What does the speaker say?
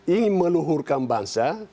ingin meluhurkan bansa